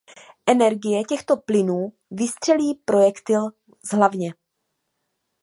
Energie těchto plynů vystřelí projektil z hlavně.